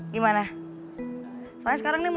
gimana soalnya sekarang ini mau